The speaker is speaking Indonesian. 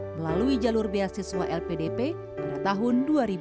melalui jalur beasiswa lpdp pada tahun dua ribu dua puluh